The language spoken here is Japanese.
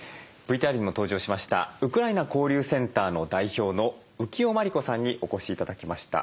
ＶＴＲにも登場しましたウクライナ交流センターの代表の浮世満理子さんにお越し頂きました。